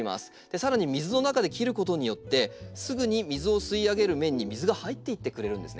さらに水の中で切ることによってすぐに水を吸い上げる面に水が入っていってくれるんですね。